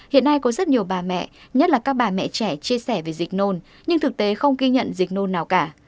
hiện nay có rất nhiều bà mẹ nhất là các bà mẹ trẻ chia sẻ về dịch nồn nhưng thực tế không ghi nhận dịch nôn nào cả